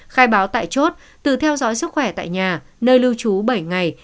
khai báo tại chốt từ theo dõi sức khỏe tại nhà nơi lưu trú bảy ngày